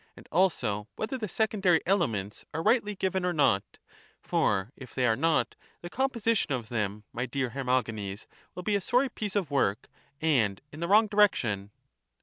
and also whether the secondary elements are rightly given or not, for if they are not, the composition of them, my dear Hermogenes, will be a sorry piece of work, and in the Nvrong direction.